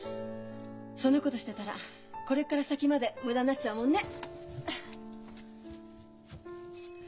そんなことしてたらこれから先まで無駄になっちゃうもんね！